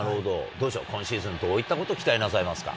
どうですか、今シーズン、どういったことを期待なさいますか。